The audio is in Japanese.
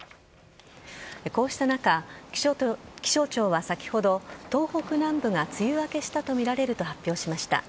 こうした中、気象庁は先ほど東北南部が梅雨明けしたとみられると発表しました。